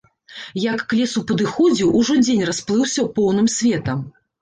Як к лесу падыходзіў, ужо дзень расплыўся поўным светам.